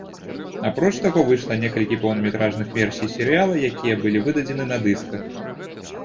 Апроч таго, выйшла некалькі поўнаметражных версій серыяла, якія былі выдадзены на дысках.